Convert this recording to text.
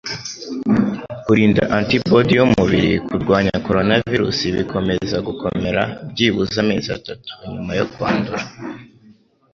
Kurinda antibody y’umubiri kurwanya coronavirus bikomeza gukomera byibuze amezi atatu nyuma yo kwandura,